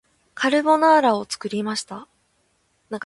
カルボナーラを作りました